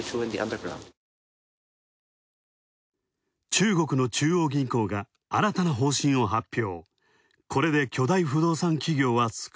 中国の中央銀行が新たな方針を発表。